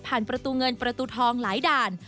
ประตูเงินประตูทองหลายด่าน